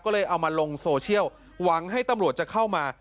ก็เลยเอามาลงโซเชียลหวังให้ตำรวจจะเข้ามา